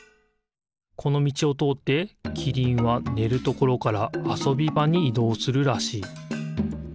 このみちをとおってキリンはねるところからあそびばにいどうするらしい。